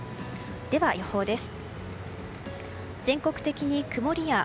では、予報です。